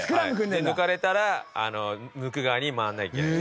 で抜かれたら抜く側に回らなきゃいけない。